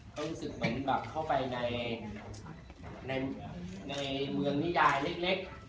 เขารู้สึกเหมือนแบบเข้าไปในเมืองนิยายเล็ก